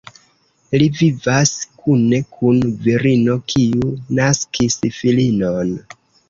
Li vivas kune kun virino, kiu naskis filinon.